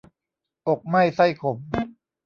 อกไหม้ไส้ขม